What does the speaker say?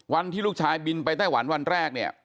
วันที่ลูกชายบินไปไต้หวันวันแรกเนี่ย